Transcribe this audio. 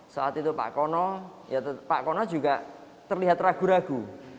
saat itu pak kono pak kono juga terlihat ragu ragu